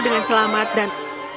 dengan selamat dan